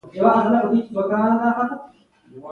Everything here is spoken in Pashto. رنګ یې له ډېرې غوسې تک تور واوښت